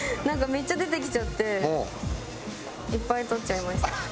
なんかめっちゃ出てきちゃっていっぱい取っちゃいました。